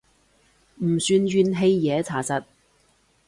唔算怨氣嘢查實